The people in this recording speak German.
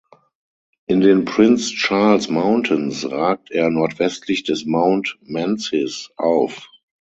In den Prince Charles Mountains ragt er nordwestlich des Mount Menzies auf.